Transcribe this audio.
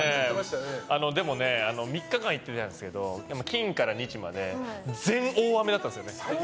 でもね３日間行ってきたんですけど金から日まで全大雨だったんですよね。